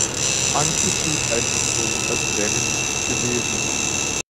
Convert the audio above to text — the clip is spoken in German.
Anke tut einfach so, als wäre nichts gewesen.